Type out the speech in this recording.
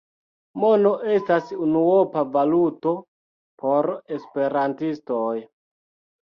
Mono estas unuopa valuto por esperantistoj.